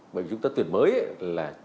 bởi vì chúng ta tuyển mới là